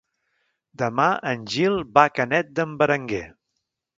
Demà en Gil va a Canet d'en Berenguer.